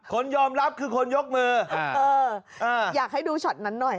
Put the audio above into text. คนยอมรับคือคนยกมืออยากให้ดูช็อตนั้นหน่อย